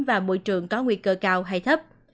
và môi trường có nguy cơ cao hay thấp